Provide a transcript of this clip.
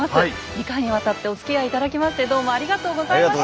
２回にわたっておつきあい頂きましてどうもありがとうございました。